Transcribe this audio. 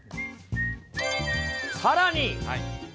さらに！